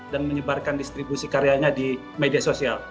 dan menyebarkan distribusi karyanya di media sosial